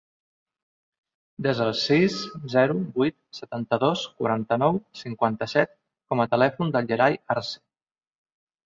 Desa el sis, zero, vuit, setanta-dos, quaranta-nou, cinquanta-set com a telèfon del Yeray Arce.